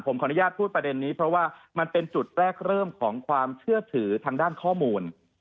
ผมขออนุญาตพูดประเด็นนี้เพราะว่ามันเป็นจุดแรกเริ่มของความเชื่อถือทางด้านข้อมูล